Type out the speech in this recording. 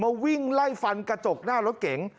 วิ่งไล่ฟันกระจกหน้ารถเก๋ง